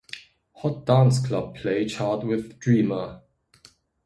Hot Dance Club Play chart with "Dreamer".